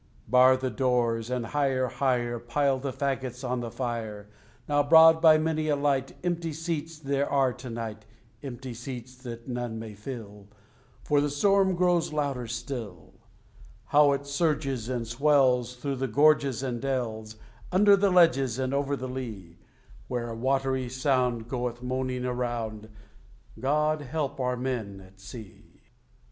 Bar the doors, and higher, higher Pile the faggots on the fire: Now abroad, by many a light, Empty seats there are to night Empty seats that none may fill, For the storm grows louder still: How it surges and swells through the gorges and dells, Under the ledges and over the lea, Where a watery sound goeth moaning around God help our men at sea!